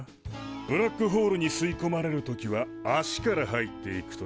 ブラックホールに吸いこまれる時は足から入っていくといい。